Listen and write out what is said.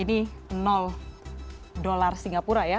ini dolar singapura ya